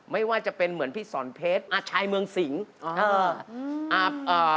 ไม่ว่าจะเป็นเหมือนพี่สอนเพชรอาชัยเมืองสิงอ่า